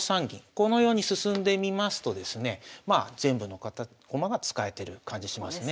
このように進んでみますとですね全部の駒が使えてる感じしますね。